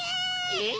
えっ？